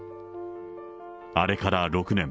あれから６年。